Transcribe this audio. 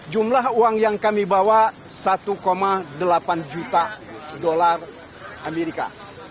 jumlah uang yang kami bawa satu delapan juta dolar amerika